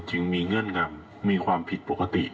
จึงมีเงื่อนงำมีความผิดปกติ